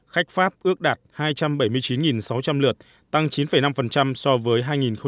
khách pháp ước đạt hai trăm bảy mươi chín sáu trăm linh lượt tăng chín năm so với hai nghìn một mươi tám